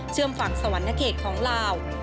เชื่อมฝั่งสวรรค์นาเกตของลาว